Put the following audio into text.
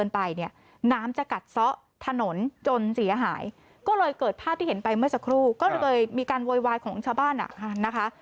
ภาพที่เห็นไปเมื่อสักครู่ก็เลยมีการโวยวายของชาวบ้านนะคะ